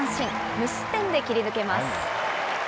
無失点で切り抜けます。